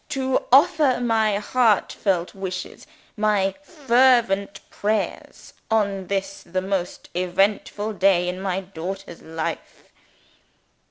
to offer my heartfelt wishes, my fervent prayers, on this the most eventful day in my daughter's life.